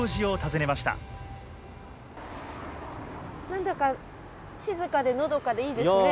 何だか静かでのどかでいいですね。